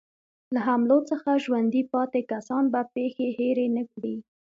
له حملو څخه ژوندي پاتې کسان به پېښې هېرې نه کړي.